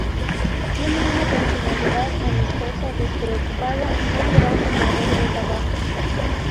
Tiene una personalidad amistosa, despreocupada y es un gran fumador de tabaco.